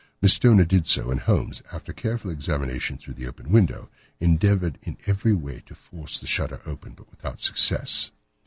Miss Stoner did so, and Holmes, after a careful examination through the open window, endeavoured in every way to force the shutter open, but without success.